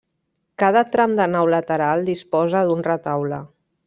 Cada tram de nau lateral disposa d'un retaule.